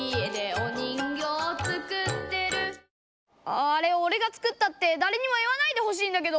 あああれおれが作ったってだれにも言わないでほしいんだけど。